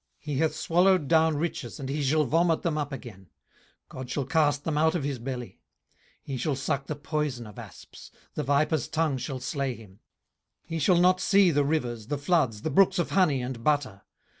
18:020:015 He hath swallowed down riches, and he shall vomit them up again: God shall cast them out of his belly. 18:020:016 He shall suck the poison of asps: the viper's tongue shall slay him. 18:020:017 He shall not see the rivers, the floods, the brooks of honey and butter.